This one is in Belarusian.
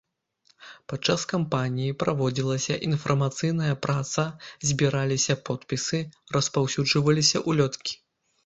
Падчас кампаніі праводзілася інфармацыйная праца, збіраліся подпісы, распаўсюджваліся ўлёткі.